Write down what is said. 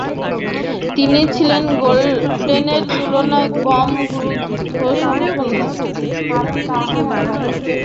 তিনি ছিলেন গ্লোডেনের তুলনায় কম গুরুত্বসম্পন্ন।